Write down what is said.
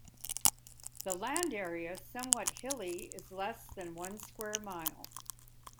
The land area, somewhat hilly, is less than one square mile.